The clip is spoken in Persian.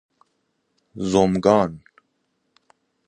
زمگان